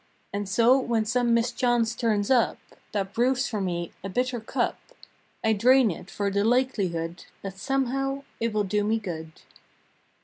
And so when some mischance turns up That brews for me a bitter cup I drain it for the likelihood That somehow it will do me good.